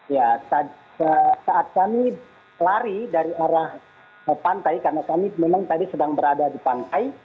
ya saat kami lari dari arah pantai karena kami memang tadi sedang berada di pantai